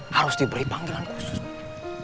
harus diberi panggilan khusus